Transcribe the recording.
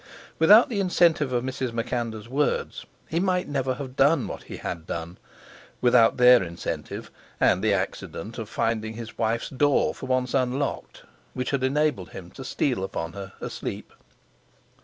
Without the incentive of Mrs. MacAnder's words he might never have done what he had done. Without their incentive and the accident of finding his wife's door for once unlocked, which had enabled him to steal upon her asleep.